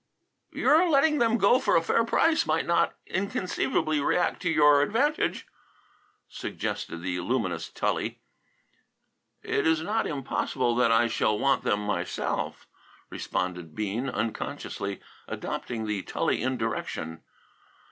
"Your letting them go for a fair price might not inconceivably react to your advantage," suggested the luminous Tully. "It is not impossible that I shall want them myself," responded Bean, unconsciously adopting the Tully indirection.